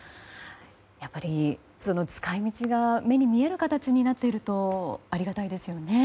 やっぱり、使い道が目に見える形になっているとありがたいですよね。